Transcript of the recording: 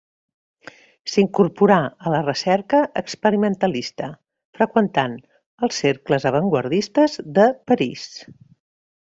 S'incorporà a la recerca experimentalista, freqüentant els cercles avantguardistes de París.